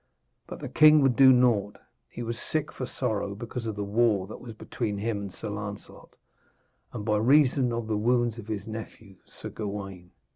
But the king would do naught. He was sick for sorrow because of the war that was between him and Sir Lancelot, and by reason of the wounds of his nephew Sir Gawaine.